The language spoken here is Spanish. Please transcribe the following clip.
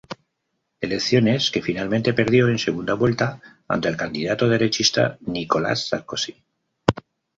Elecciones que finalmente perdió en segunda vuelta ante el candidato derechista Nicolás Sarkozy.